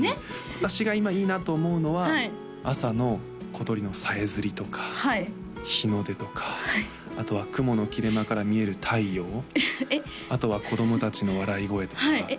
私が今いいなと思うのははい朝の小鳥のさえずりとか日の出とかあとは雲の切れ間から見える太陽あとは子供達の笑い声とかはいえっ